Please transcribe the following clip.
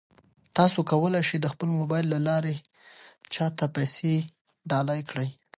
تاسو کولای شئ د خپل موبایل له لارې چا ته پیسې ډالۍ کړئ.